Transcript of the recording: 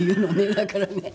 だからね